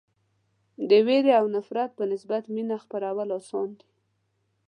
د وېرې او نفرت په نسبت مینه خپرول اسان دي.